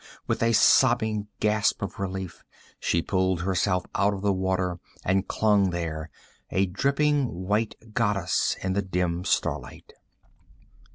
With a sobbing gasp of relief, she pulled herself out of the water and clung there, a dripping white goddess in the dim starlight.